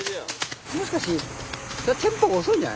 しかしテンポが遅いんじゃないかな。